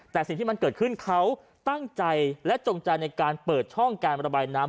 แต่สิ่งที่มันเกิดขึ้นเขาตั้งใจและจงใจในการเปิดช่องการระบายน้ำ